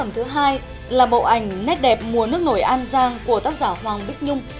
thưa quý vị và các bạn